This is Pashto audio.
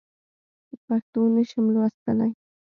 پښتو نه شم لوستلی.